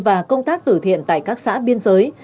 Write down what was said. và công tác tử thiện tại các xã biên giới